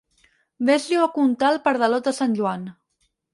Ves-li-ho a contar al pardalot de sant Joan.